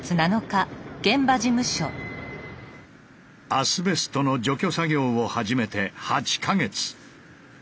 アスベストの除去作業を始めて８か月。